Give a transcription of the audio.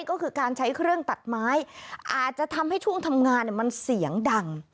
ก็คือการใช้เครื่องตัดไม้อาจจะทำให้ช่วงทำงานมันเสียงดัง